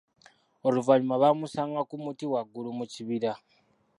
Oluvanyuma baamusanga ku muti waggulu mu kibira.